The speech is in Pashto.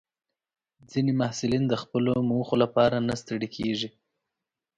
ځینې محصلین د خپلو موخو لپاره نه ستړي کېږي.